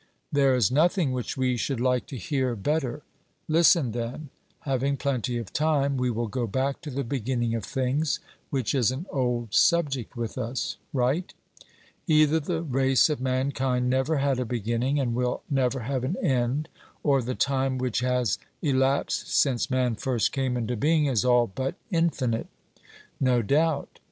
'There is nothing which we should like to hear better.' Listen, then; having plenty of time, we will go back to the beginning of things, which is an old subject with us. 'Right.' Either the race of mankind never had a beginning and will never have an end, or the time which has elapsed since man first came into being is all but infinite. 'No doubt.'